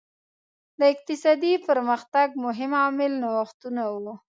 د اقتصادي پرمختګ مهم عامل نوښتونه وو.